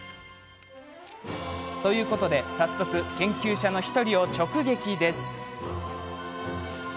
ということで、早速研究者の１人を直撃です。